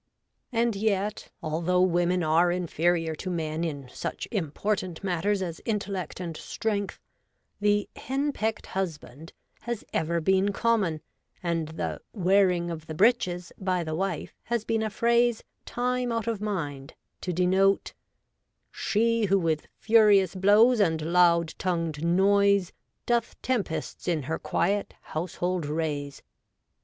And yet, although women are inferior to men in such important matters as intellect and strength, the ' hen pecked husband ' has ever been common, and the ' wearing of the breeches ' by the wife has been a phrase, time out of mind^ to denote ' She who with furious blows and loud tongued noise Doth tempests in her quiet household raise.'